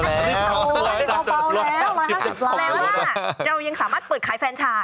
เรายังสามารถเปิดขายแฟนชาติ